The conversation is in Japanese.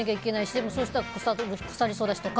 でも、そうしたら腐りそうだしとか。